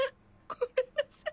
ごめんなさい。